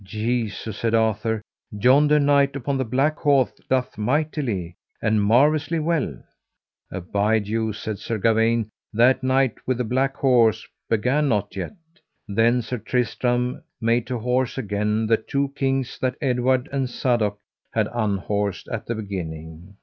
Jesu, said Arthur, yonder knight upon the black horse doth mightily and marvellously well. Abide you, said Sir Gawaine; that knight with the black horse began not yet. Then Sir Tristram made to horse again the two kings that Edward and Sadok had unhorsed at the beginning.